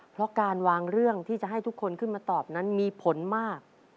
เพราะการวางเรื่องที่จะให้ทุกคนขึ้นมาตอบนั้นมีผลมาก